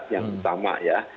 yang utama ya